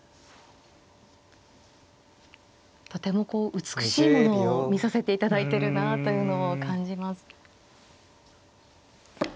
とてもこう美しいものを見させていただいてるなというのを感じます。